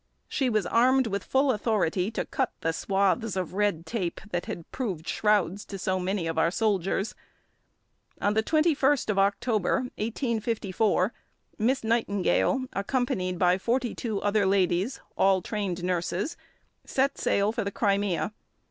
She was armed with full authority to cut the swathes of red tape that had proved shrouds to so many of our soldiers. On the 21st of October 1854 Miss Nightingale, accompanied by forty two other ladies, all trained nurses, set sail for the Crimea.